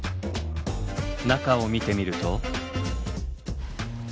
中を見てみると。